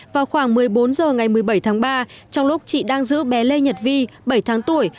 vào khoảng một mươi bốn h ngày một mươi bảy tháng ba trong lúc chị đang giữ bé lê nhật vi bảy tháng tuổi